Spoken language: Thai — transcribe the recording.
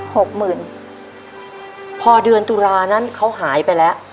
หกหมื่นพอเดือนตุลานั้นเขาหายไปแล้ว